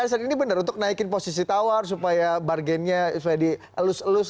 oke ini benar untuk naikin posisi tawar supaya bargainnya supaya dielus elus